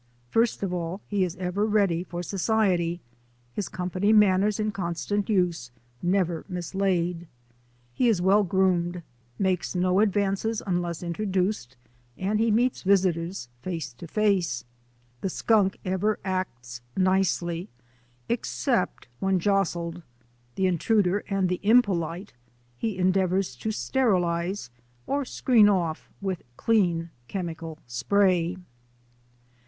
First of all, he is ever ready for society, his company manners in constant use — never mislaid; he is well groomed; makes no advances unless introduced; and he meets visitors face to face. The skunk CENSORED NATURAL HISTORY NEWS 217 ever acts nicely except when jostled; the intruder and the impolite he endeavours to sterilize or screen off with clean chemical spray.